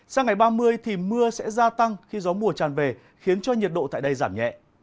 sang ngày ba mươi thì mưa sẽ gia tăng khi gió mùa tràn về khiến cho nhiệt độ tại đây giảm nhẹ